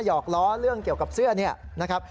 หอกล้อเรื่องเกี่ยวกับเสื้อเนี่ยนะครับ